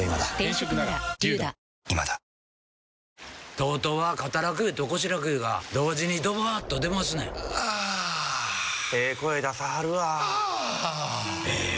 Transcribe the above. ＴＯＴＯは肩楽湯と腰楽湯が同時にドバーッと出ますねんあええ声出さはるわあええ